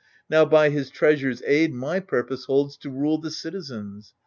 Now by his treasure's aid My purpose holds to rule the citizens.